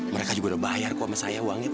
mereka juga udah bayar kok sama saya uangnya